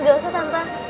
gak usah tante